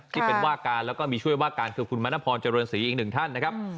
ที่เป็นว่าการแล้วก็มีช่วยว่าการคือคุณมณพรเจริญศรีอีกหนึ่งท่านนะครับ